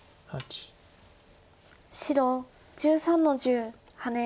白１３の十ハネ。